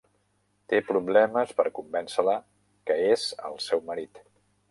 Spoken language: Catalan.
Té problemes per convèncer-la que és el seu marit.